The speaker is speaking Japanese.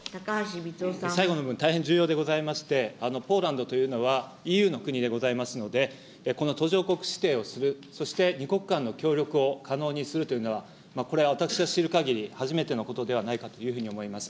最後の部分、大変重要でございまして、ポーランドというのはＥＵの国でございますので、この途上国指定をする、そして２国間の協力を可能にするというのは、これは私が知るかぎり初めてのことではないかというふうに思います。